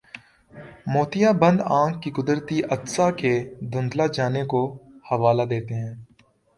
موتیابند آنکھ کے قدرتی عدسہ کے دھندلا جانے کا حوالہ دیتے ہیں